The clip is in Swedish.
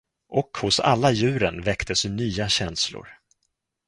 Och hos alla djuren väcktes nya känslor.